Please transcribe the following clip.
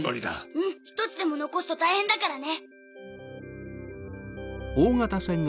うん１つでも残すと大変だからね。